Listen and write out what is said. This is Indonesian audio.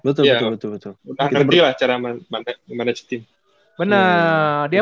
udah ngerti lah cara manage tim